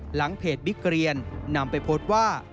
หลังเพจบิ๊กเรียนนำไปโพสต์ว่า